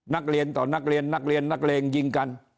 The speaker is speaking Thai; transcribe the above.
นักเรียนต่อนักเรียนนักเรียนนักเลงยิงกัน